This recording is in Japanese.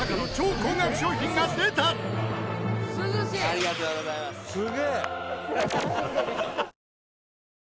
ありがとうございます！